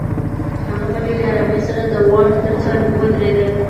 هغه په ډېرې آرامۍ سره د وره تر څنګ ودرېده.